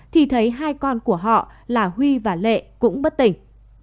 thì thấy hai con của họ là huy và lệ cũng bất tỉnh